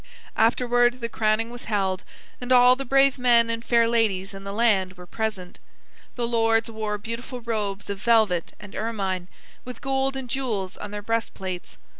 Afterward the crowning was held, and all the brave men and fair ladies in the land were present. The lords wore beautiful robes of velvet and ermine, with gold and jewels on their breast plates.